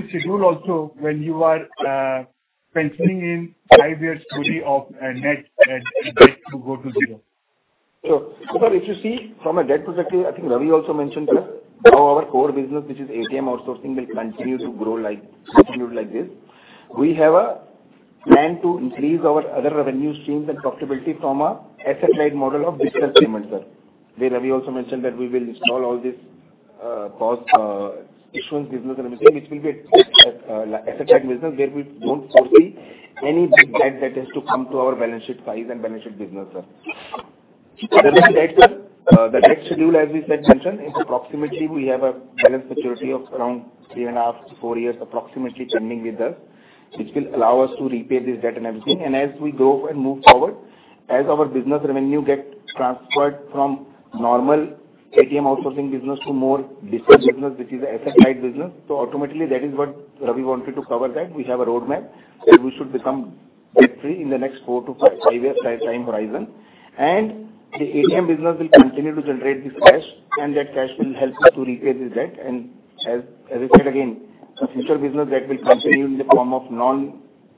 schedule also, when you are penciling in 5 years story of net debt to go to zero. So, if you see from a debt perspective, I think Ravi also mentioned, sir, how our core business, which is ATM outsourcing, will continue to grow, like, continue like this. We have a plan to increase our other revenue streams and profitability from an asset-light model of business payments, sir, where Ravi also mentioned that we will install all this, cost, insurance business and everything, which will be, asset-light business, where we don't foresee any big debt that has to come to our balance sheet size and balance sheet business, sir. The debt schedule, as we said, mentioned, is approximately we have a balance security of around 3.5-4 years approximately trending with us, which will allow us to repay this debt and everything. As we go and move forward, as our business revenue get transferred from normal ATM outsourcing business to more digital business, which is asset-light business, so automatically, that is what we wanted to cover, that we have a roadmap, so we should become debt-free in the next 4-5, 5 years time, time horizon. The ATM business will continue to generate this cash, and that cash will help us to repay the debt. As I said again, the future business that will continue in the form of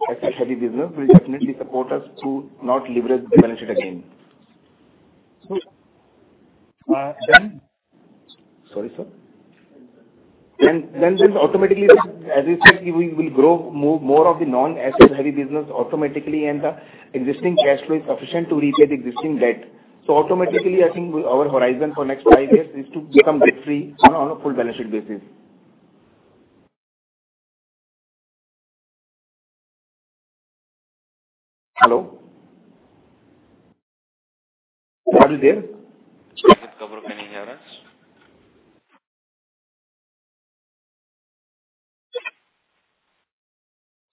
non-asset-heavy business will definitely support us to not leverage the balance sheet again. Uh, then? Sorry, sir? Then automatically, as I said, we will grow more of the non-asset-heavy business automatically, and the existing cash flow is sufficient to repay the existing debt. So automatically, I think our horizon for next five years is to become debt-free on a full balance sheet basis. Hello? Are you there?... Can you hear us?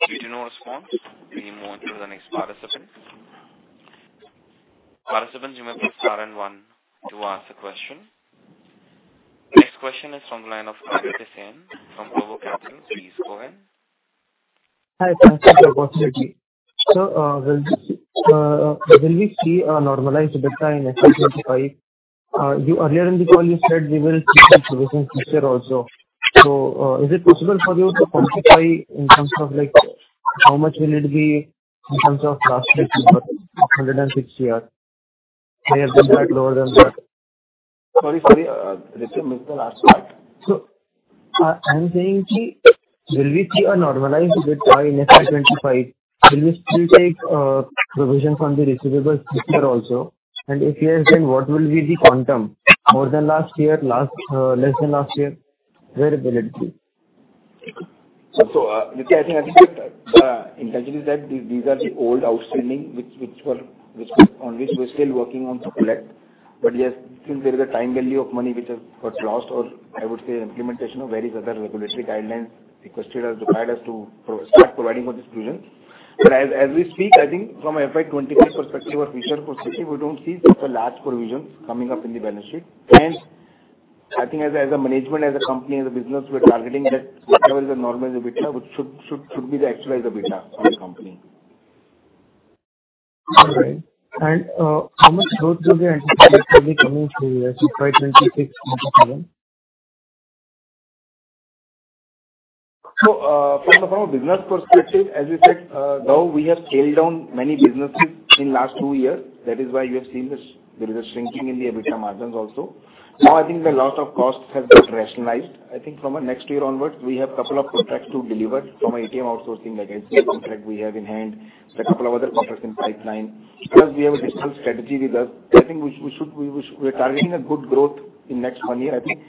We do not respond. We move on to the next participant. Participants, you may press star and one to ask a question. Next question is from the line of Ritesh Sen from Overclocking. Please go ahead. Hi, thank you for the opportunity. So, will we see a normalized data in FY 25? You earlier in the call you said we will see this in future also. So, is it possible for you to quantify in terms of, like, how much will it be in terms of last year, 160 or may have been that lower than that? Sorry, sorry, Ritesh, repeat the last one. I’m saying, will we see a normalized return in FY25? Will we still take provision from the receivables this year also? And if yes, then what will be the quantum? More than last year, less than last year, where will it be? So, Ritesh, I think the intention is that these are the old outstanding, which we're still working on to collect. But yes, since there is a time value of money which has got lost, or I would say implementation of various other regulatory guidelines requested us, required us to start providing for this provision. But as we speak, I think from a FY 2025 perspective or future perspective, we don't see such a large provision coming up in the balance sheet. And I think as a management, as a company, as a business, we're targeting that whatever is the normal EBITDA, which should be the actualized EBITDA for the company. All right. How much growth do we anticipate actually coming through FY 2026? So, from a business perspective, as we said, now we have scaled down many businesses in last two years. That is why you have seen this. There is a shrinking in the EBITDA margins also. Now, I think a lot of costs have been rationalized. I think from next year onwards, we have couple of contracts to deliver from an ATM outsourcing, like SL contract we have in hand, a couple of other contracts in pipeline. Plus, we have a digital strategy with us. I think we should, we're targeting a good growth in next one year. I think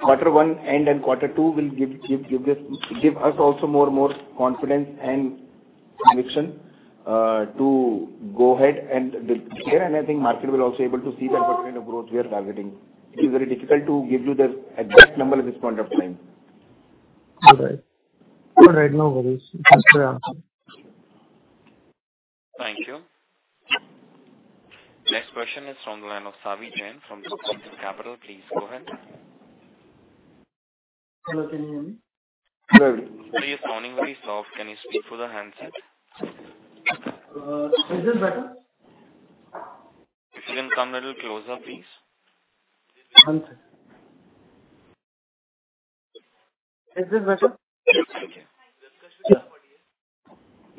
maybe quarter one and then quarter two will give us also more and more confidence and conviction to go ahead and deliver. And I think market will also be able to see that what kind of growth we are targeting. It is very difficult to give you the exact number at this point of time. All right. All right, no worries. Thanks for your answer. Thank you. Next question is from the line of Savi Jain from 2Point2 Capital. Please go ahead. Hello, can you hear me? Very sorry, your sound is very soft. Can you speak through the handset? Is this better? If you can come a little closer, please. One second. Is this better? Yes, thank you.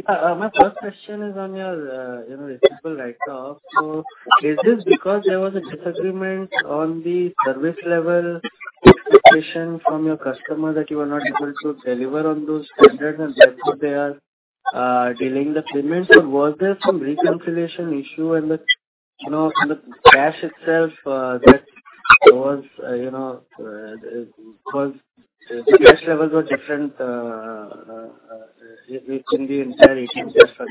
Yeah, my first question is on your, you know, receivable write-off. So is this because there was a disagreement on the service level expectation from your customer that you were not able to deliver on those standards, and therefore they are delaying the payments? Or was there some reconciliation issue in the, you know, in the cash itself, that was, you know, because the cash levels were different, within the entire ATM cash?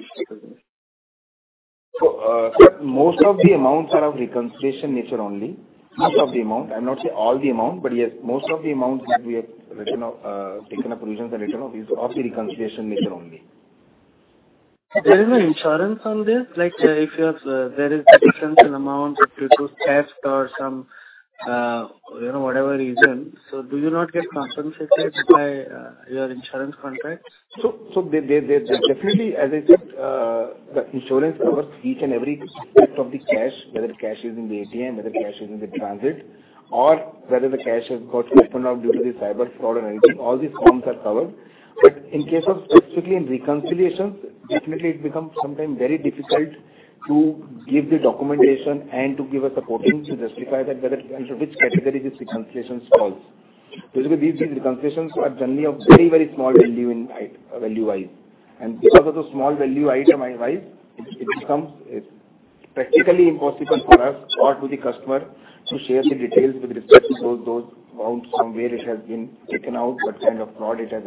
So, most of the amounts are of reconciliation nature only. Most of the amount, I'm not saying all the amount, but yes, most of the amounts that we have written off, taken up provisions and written off is of the reconciliation nature only. There is an insurance on this, like, if you have, there is a potential amount due to theft or some, you know, whatever reason, so do you not get compensated by your insurance contract? So, they definitely, as I said, the insurance covers each and every aspect of the cash, whether the cash is in the ATM, whether cash is in the transit, or whether the cash has got stolen or due to the cyber fraud or anything, all these forms are covered. But in case of specifically in reconciliations, definitely it becomes sometimes very difficult to give the documentation and to give us a supporting to justify that whether under which category this reconciliations falls. Basically, these reconciliations are generally a very, very small value in value-wise. Because of the small value item, item-wise, it becomes practically impossible for us or to the customer to share the details with respect to those amounts, from where it has been taken out, what kind of fraud it has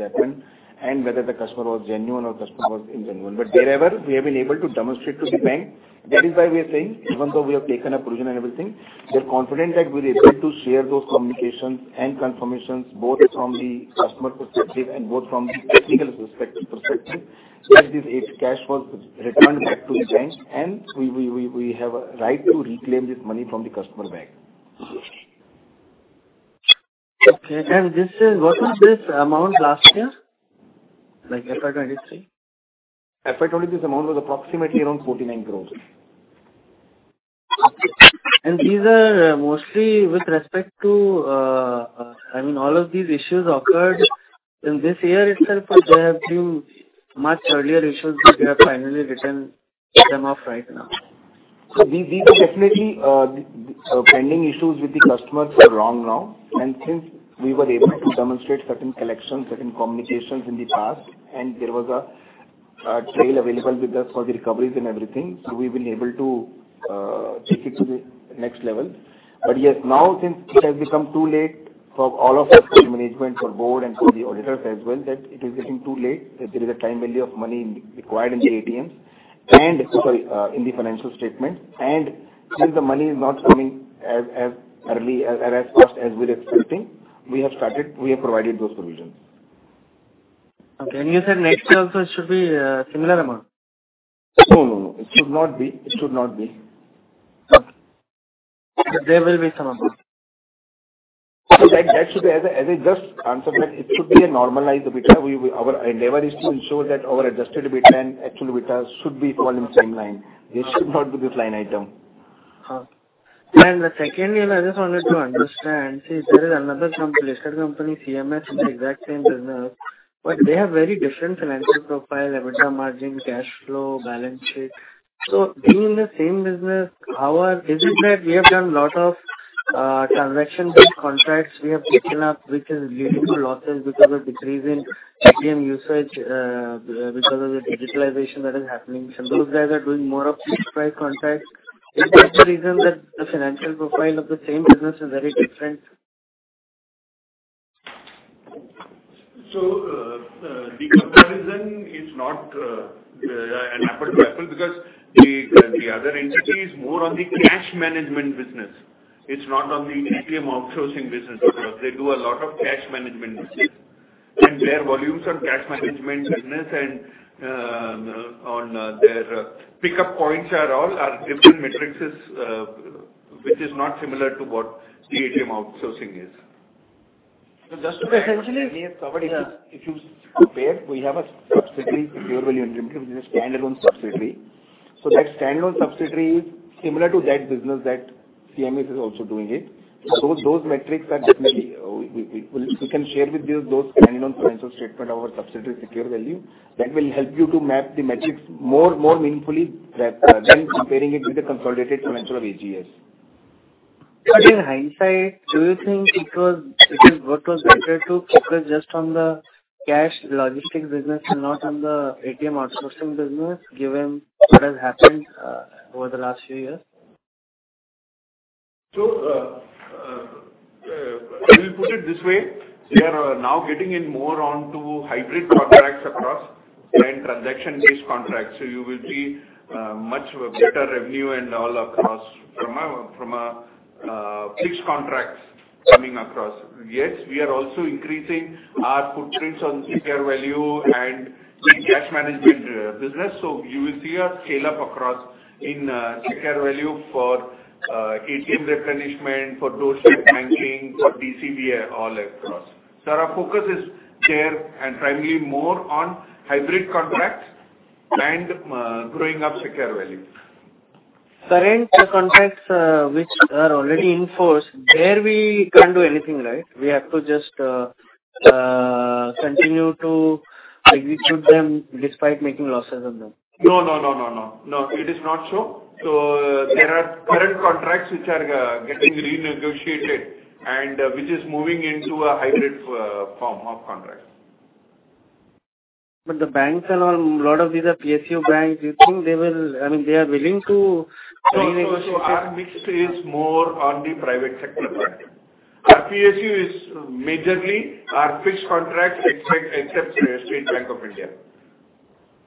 happened, and whether the customer was genuine or customer was ingenuine. But wherever we have been able to demonstrate to the bank. That is why we are saying, even though we have taken a provision and everything, we are confident that we're able to share those communications and confirmations, both from the customer perspective and both from the technical perspective, that this cash was returned back to the bank, and we have a right to reclaim this money from the customer bank. Okay. And this is, what was this amount last year, like FY 2023? FY 2023, this amount was approximately around 49 crore. These are mostly with respect to, I mean, all of these issues occurred in this year itself, or there have been much earlier issues, but they have finally written them off right now? So these, these are definitely, pending issues with the customers for long now. And since we were able to demonstrate certain collections, certain communications in the past, and there was a, trail available with us for the recoveries and everything, so we've been able to, take it to the next level. But yes, now since it has become too late for all of our management, for board and for the auditors as well, that it is getting too late, that there is a time value of money required in the ATMs, and, so sorry, in the financial statement, and since the money is not coming as, as early as, as, as fast as we're expecting, we have started, we have provided those provisions. Okay. You said next year also it should be a similar amount? No, no, no. It should not be, it should not be. Okay. There will be some amount? That should be, as I just answered, that it should be a normalized EBITDA. Our endeavor is to ensure that our adjusted EBITDA and actual EBITDA should fall in the same line. This should not be this line item. Okay. And the second thing I just wanted to understand, see, there is another company, listed company, CMS, in the exact same business, but they have very different financial profile, EBITDA margin, cash flow, balance sheet. So being in the same business, how are—Is it that we have done lot of transaction-based contracts we have taken up, which is leading to losses because of decrease in ATM usage because of the digitalization that is happening? So those guys are doing more of fixed price contracts. Is that the reason that the financial profile of the same business is very different? The comparison is not an apple to apple, because the other entity is more on the cash management business. It's not on the ATM outsourcing business. They do a lot of cash management business, and their volumes on cash management business and on their pickup points are all different metrics, which is not similar to what the ATM outsourcing is. Just to add, if you compare, we have a subsidiary, Securevalue India, which is a standalone subsidiary. So that standalone subsidiary is similar to that business that CMS is also doing it. So those metrics are definitely... We can share with you those standalone financial statement of our subsidiary, Securevalue. That will help you to map the metrics more, more meaningfully, than, than comparing it with the consolidated financial of AGS. In hindsight, do you think it was what was better to focus just on the cash logistics business and not on the ATM outsourcing business, given what has happened over the last few years? So, I will put it this way: We are now getting in more on to hybrid contracts across and transaction-based contracts, so you will see much better revenue and all across from a fixed contracts coming across. Yes, we are also increasing our footprints on Securevalue and the cash management business, so you will see a scale-up across in Securevalue for ATM replenishment, for doorstep banking, for DCB, all across. So our focus is there and primarily more on hybrid contracts and growing up Securevalue. Current contracts, which are already in force, there we can't do anything, right? We have to just, continue to execute them despite making losses on them. No, no, no, no, no. No, it is not so. So there are current contracts which are getting renegotiated and which is moving into a hybrid form of contract. But the banks and all, a lot of these are PSU banks. Do you think they will—I mean, they are willing to renegotiate? Our mix is more on the private sector bank. Our PSU is majorly are fixed contracts, except State Bank of India.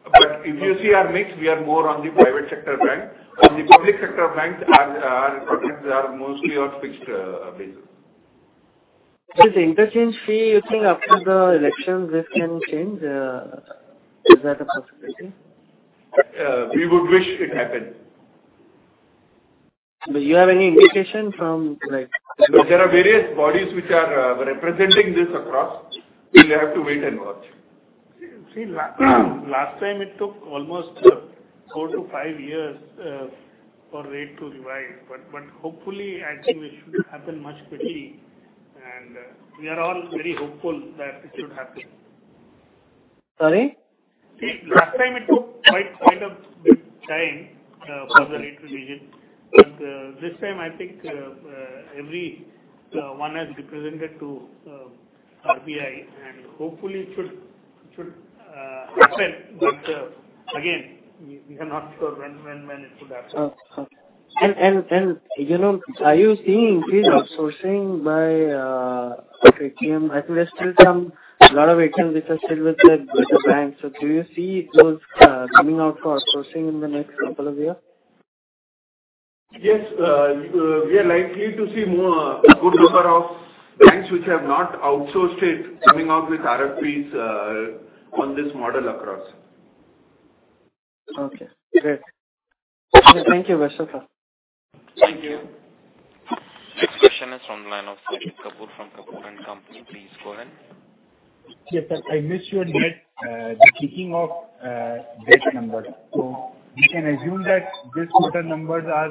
But if you see our mix, we are more on the private sector bank. On the public sector banks, our contracts are mostly on fixed basis. So the interchange fee, you think after the elections, this can change? Is that a possibility? We would wish it happened. Do you have any indication from, like- There are various bodies which are representing this across. We'll have to wait and watch. See, last time, it took almost 4-5 years for rate to revise. But, hopefully, I think it should happen much quickly, and we are all very hopeful that it should happen. Sorry? See, last time it took quite, quite a bit time for the rate revision. But this time, I think everyone has represented to RBI, and hopefully it should happen. But again, we are not sure when it would happen. Okay. And, you know, are you seeing increase outsourcing by ATM? I think there's still some, a lot of ATMs which are still with the banks. So do you see those coming out for outsourcing in the next couple of year? Yes, we are likely to see more, a good number of banks which have not outsourced it, coming out with RFPs on this model across. Okay, great. Thank you, Vishwa. Thank you. Next question is from the line of Kapoor, from Kapoor and Company. Please go ahead. Yes, sir, I missed your debt, the kickoff debt number. So we can assume that this quarter numbers are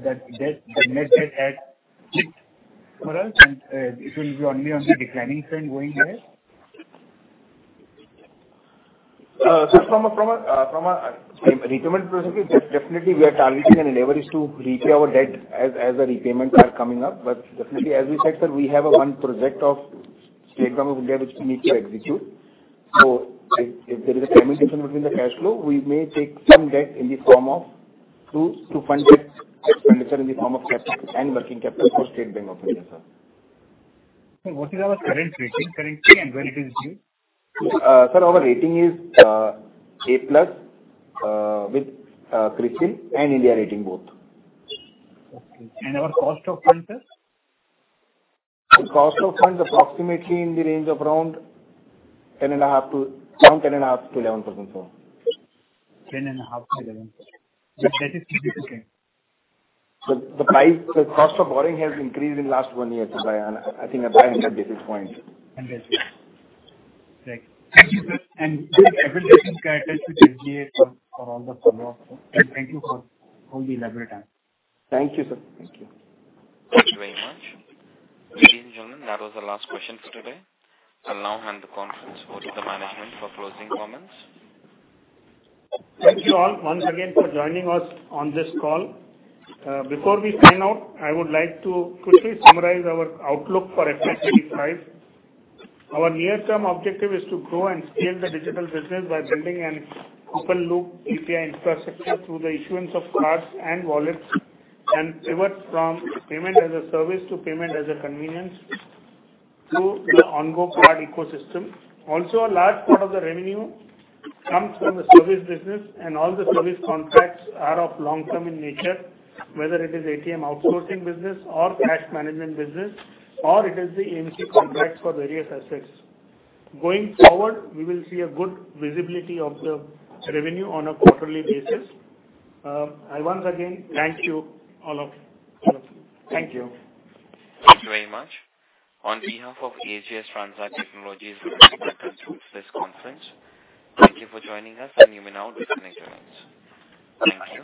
that debt, the net debt at INR 6 for us, and it will be only on the declining trend going ahead? So from a repayment perspective, definitely we are targeting and leverage to repay our debt as the repayments are coming up. But definitely as we said, that we have one project of State Bank of India, which we need to execute. So if there is a commitment between the cash flow, we may take some debt in the form of to fund that expenditure in the form of capital and working capital for State Bank of India, sir. What is our current rating currently and when it is due? Sir, our rating is A plus with CRISIL and India Rating both. Okay, and our cost of funds, sir? The cost of funds approximately in the range of around 10.5%-11%. 10.5-11. That is still okay. The price, the cost of borrowing has increased in last one year, so by, I think, about 100 basis points. Understood. Great. Thank you, sir, and wish everything's characterized with SG&A for, for all the follow-up. Thank you for all the elaborate answers. Thank you, sir. Thank you. Thank you very much. Ladies and gentlemen, that was the last question for today. I'll now hand the conference over to the management for closing comments. Thank you all once again for joining us on this call. Before we sign out, I would like to quickly summarize our outlook for FY25. Our near-term objective is to grow and scale the digital business by building an open loop API infrastructure through the issuance of cards and wallets, and pivot from payment as a service to payment as a convenience through the ongoing card ecosystem. Also, a large part of the revenue comes from the service business, and all the service contracts are of long-term in nature, whether it is ATM outsourcing business or cash management business, or it is the AMC contracts for various assets. Going forward, we will see a good visibility of the revenue on a quarterly basis. I once again thank you, all of you. Thank you. Thank you very much. On behalf of AGS Transact Technologies, we conclude this conference. Thank you for joining us, and you may now disconnect your lines. Thank you.